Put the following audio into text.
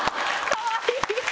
かわいい！